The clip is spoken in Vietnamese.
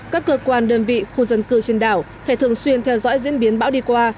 các cơ quan đơn vị khu dân cư trên đảo phải thường xuyên theo dõi diễn biến bão đi qua